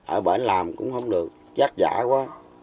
ở bởi anh làm cũng không được vất vả quá